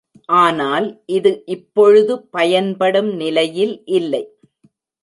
ஆனால் இது இப்பொழுது பயன்படும் நிலையில் இல்லை.